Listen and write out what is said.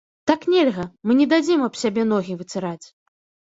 Так нельга, мы не дадзім аб сябе ногі выціраць.